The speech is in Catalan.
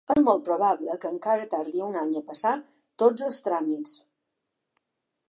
És molt probable que encara tardi un any a passar tots els tràmits.